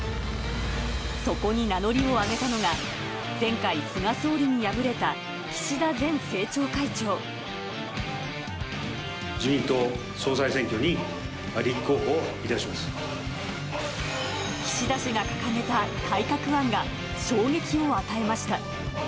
そこに名乗りを上げたのが前回、自民党総裁選挙に立候補いた岸田氏が掲げた、改革案が衝撃を与えました。